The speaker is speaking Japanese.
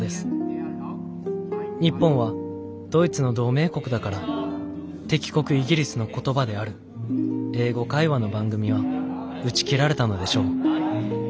日本はドイツの同盟国だから敵国イギリスの言葉である英語会話の番組は打ち切られたのでしょう。